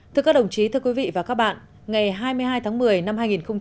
thưa các đồng chí thưa quý vị và các bạn ngày hai mươi hai tháng một mươi năm hai nghìn một mươi chín